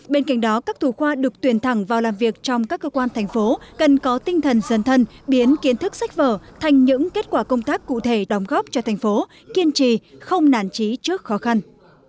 bên cạnh đó các thủ khoa được tuyển thẳng vào làm việc trong các cơ quan thành phố cần có tinh thần dân thân biến kiến thức sách vở thành những kết quả công tác cụ thể đóng góp cho thành phố kiên trì không nản trí trước khó khăn